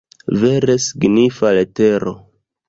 Vere signifa letero!